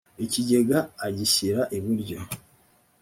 ikigega agishyira iburyo